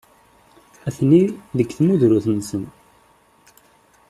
Atni deg tmudrut-nsen.